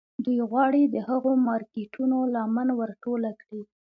دوی غواړي د هغو مارکيټونو لمن ور ټوله کړي.